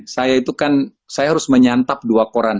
saya itu kan saya harus menyantap dua koran